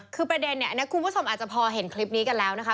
คือประเด็นเนี่ยอันนี้คุณผู้ชมอาจจะพอเห็นคลิปนี้กันแล้วนะคะ